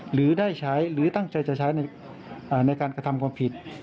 หรือได้ใช้หรือตั้งใจจะใช้ในการกระทำความผิด